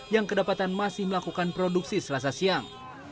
yang kedapatan masih melakukan produksi selasa siang